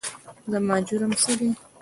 زما جرم څه دی ؟؟